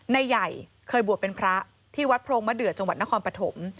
ใหญ่เคยบวชเป็นพระที่วัดโพรงมะเดือจังหวัดนครปฐม